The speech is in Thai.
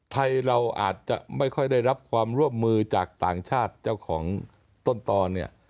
ไทยเราอาจจะไม่ค่อยได้รับความร่วมมือจากต่างชาติเจ้าของต้นตอนเนี่ย